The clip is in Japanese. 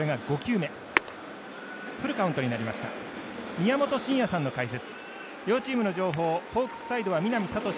宮本慎也さんの解説。